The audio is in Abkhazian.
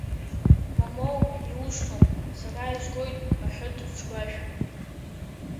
Моумоу, иусҭом, сара изгоит аҳәыт цгәажә.